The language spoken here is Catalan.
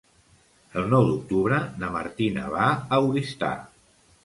El nou d'octubre na Martina va a Oristà.